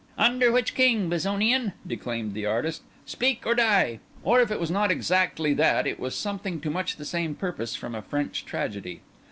"Under which king, Bezonian?" declaimed the artist. "Speak or die!" Or if it was not exactly that, it was something to much the same purpose from a French tragedy.